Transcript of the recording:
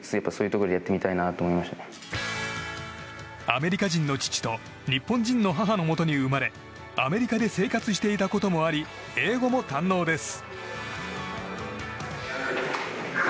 アメリカ人の父と日本人の母のもとに生まれアメリカで生活していたこともあり英語も堪能です。